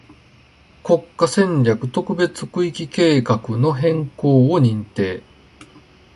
国家戦略特別区域計画の変更を認定